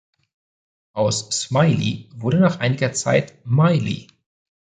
Aus "Smiley" wurde nach einiger Zeit "Miley".